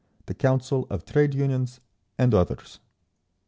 the Council of Trade Unions, and others.